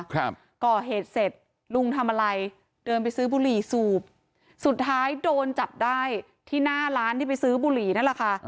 ครับก่อเหตุเสร็จลุงทำอะไรเดินไปซื้อบุหรี่สูบสุดท้ายโดนจับได้ที่หน้าร้านที่ไปซื้อบุหรี่นั่นแหละค่ะ